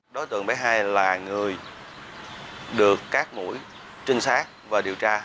đối tượng mới hai là người được các mũi trinh sát và điều tra